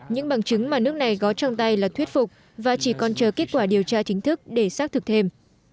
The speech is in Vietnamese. những bằng chứng mà nước này gói trong tay là thuyết phục và chỉ còn chờ kết quả điều tra chính thức để xác thực thêm